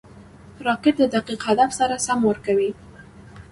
راکټ د دقیق هدف سره سم وار کوي